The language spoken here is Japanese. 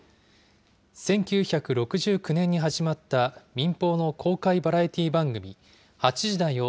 １９６９年に始まった民放の公開バラエティー番組、８時だョ！